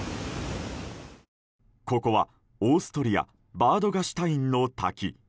ここはオーストリアバードガシュタインの滝。